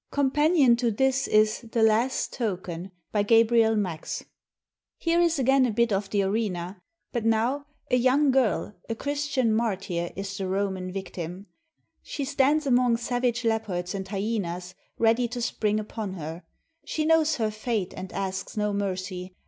Companion to this is ''The Last Token," by Gabriel Max. Here is again a bit of the arena; but now a young XXV INTRODUCTION girl, a Christian martyr, is the Roman victim. She stands among savage leopards and hyenas ready to spring upon her; she knows her fate and asks no mercy.